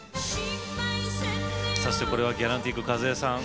そしてこれはギャランティーク和恵さん。